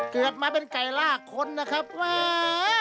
เกิดมาเป็นไก่ลากคนนะครับแม่